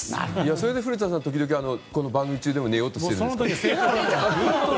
それで古田さん、時々この番組中でも寝ようとしてるんですか。